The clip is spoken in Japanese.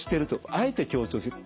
あえて強調してる。